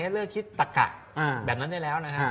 เลิกคิดตะกะแบบนั้นได้แล้วนะฮะ